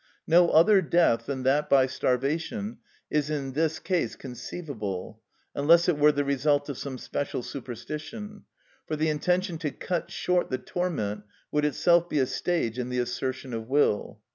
No other death than that by starvation is in this case conceivable (unless it were the result of some special superstition); for the intention to cut short the torment would itself be a stage in the assertion of will.